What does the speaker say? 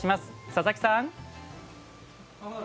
佐々木さん！